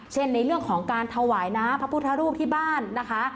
ในเรื่องของการถวายน้ำพระพุทธรูปที่บ้านนะคะ